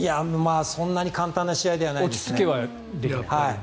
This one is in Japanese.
そんなに簡単な試合ではないですね。